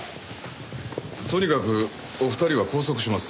とにかくお二人は拘束します。